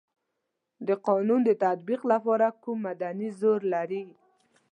د قانون د تطبیق لپاره کوم مدني زور لري.